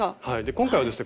今回はですね